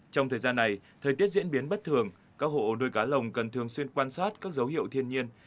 trong thời gian này thời tiết diễn biến bất thường các hộ nuôi cá lồng cần thường xuyên quan sát các dấu hiệu thiên nhiên